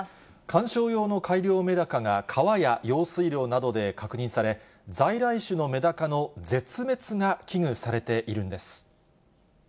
鑑賞用の改良メダカが川や用水路などで確認され、在来種のメダカの絶滅が危惧されているんです。